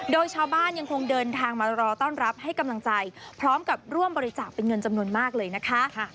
โดยชาวบ้านยังคงเดินทางมารอต้อนรับให้กำลังใจพร้อมกับร่วมบริจาคเป็นเงินจำนวนมากเลยนะคะ